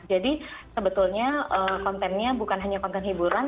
jadi sebetulnya kontennya bukan hanya konten hiburan